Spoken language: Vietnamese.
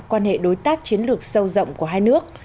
quan hệ đối tác chiến lược sâu rộng của hai nước